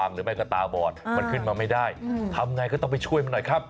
หรือไม่ก็ตาบอดมันขึ้นมาไม่ได้ทำไงก็ต้องไปช่วยมันหน่อยครับ